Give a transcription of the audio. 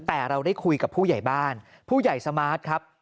แต่เราได้คุยกับผู้ใหญ่บ้านผู้ใหญ่สมาร์ทครับ